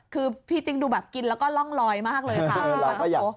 คือพี่จิ๊กดูแบบกินแล้วก็ร่องลอยมากเลยค่ะ